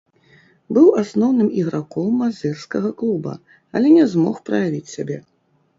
Быў асноўным іграком мазырскага клуба, але не змог праявіць сябе.